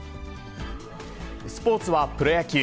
スポーツはプロ野球。